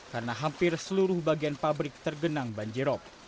karena hampir seluruh bagian pabrik tergenang banjir rop